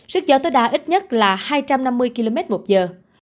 sức gió tối đa ít nhất là hai trăm năm mươi km một giờ